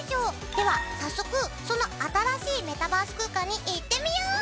では早速その新しいメタバース空間に行ってみよう！